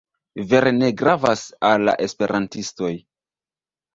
Vere ne gravas al la Esperantistoj.